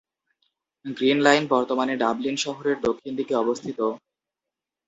Green line বর্তমানে Dublin শহরের দক্ষিণ দিকে অবস্থিত।